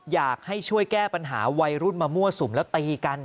อยากให้ช่วยแก้ปัญหาวัยรุ่นมามั่วสุมแล้วตีกัน